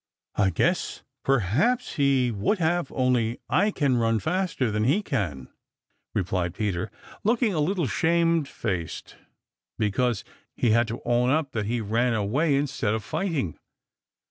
"I guess perhaps he would have only I can run faster than he can," replied Peter, looking a little shamefaced because he had to own up that he ran away instead of fighting.